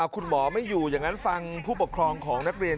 คุณหมอไม่อยู่อย่างนั้นฟังผู้ปกครองของนักเรียน